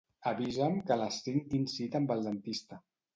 Avisa'm que a les cinc tinc cita amb el dentista.